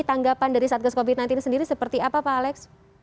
tanggapan dari satgas covid sembilan belas sendiri seperti apa pak alex